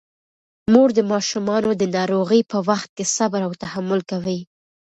مور د ماشومانو د ناروغۍ په وخت کې صبر او تحمل کوي.